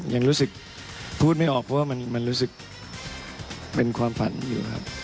ยังรู้สึกพูดไม่ออกเพราะว่ามันรู้สึกเป็นความฝันอยู่ครับ